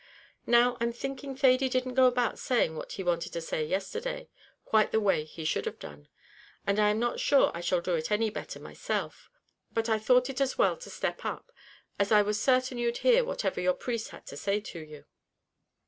"Now, I'm thinking Thady didn't go about saying what he wanted to say yesterday, quite the way he should have done, and I am not sure I shall do it any better myself. But I thought it as well to step up, as I was certain you'd hear whatever your priest had to say to you."